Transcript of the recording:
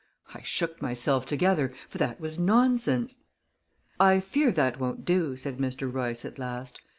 I shook myself together for that was nonsense! "I fear that won't do," said Mr. Royce at last.